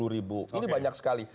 dua puluh ribu ini banyak sekali